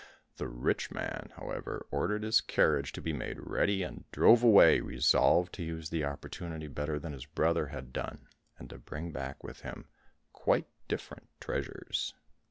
The rich man, however, ordered his carriage to be made ready, and drove away, resolved to use the opportunity better than his brother had done, and to bring back with him quite different treasures.